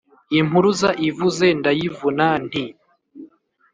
Impuruza ivuze ndayivuna, nti: